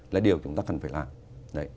là điều chúng ta cần phải làm